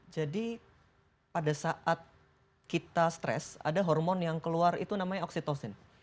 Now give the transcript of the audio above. jadi pada saat kita stres ada hormon yang keluar itu namanya oksitosin